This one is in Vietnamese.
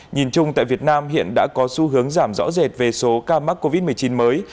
nhìn chung tại việt nam hiện đã có xu hướng giảm rõ rệt về số ca mắc covid một mươi chín mới